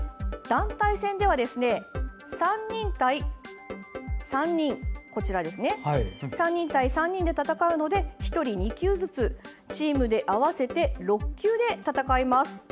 団体戦では３人対３人で戦うので１人２球ずつチームで合わせて６球で戦います。